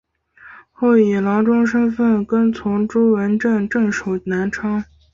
后以郎中身份跟从朱文正镇守南昌。